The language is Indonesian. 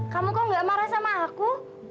kamu kok gak marah sama aku